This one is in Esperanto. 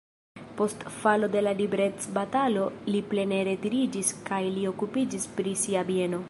Post falo de la liberecbatalo li plene retiriĝis kaj li okupiĝis pri sia bieno.